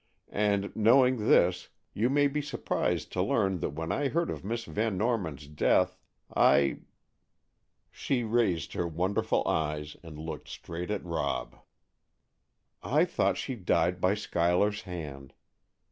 And, knowing this, you may be surprised to learn that when I heard of Miss Van Norman's death, I——" she raised her wonderful eyes and looked straight at Rob—"I thought she died by Schuyler's hand.